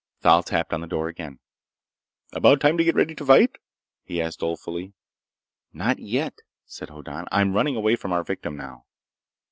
Thal tapped on the door again. "About time to get ready to fight?" he asked dolefully. "Not yet," said Hoddan. "I'm running away from our victim, now."